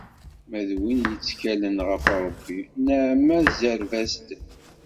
Ma d win yettkalen ɣef Rebbi, nneɛma tzerreb-as-d.